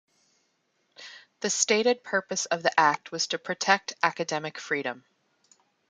The stated purpose of the Act was to protect academic freedom.